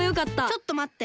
ちょっとまって。